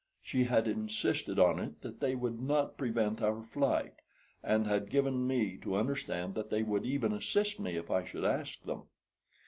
She had insisted on it that they would not prevent our flight, and had given me to understand that they would even assist me if I should ask them.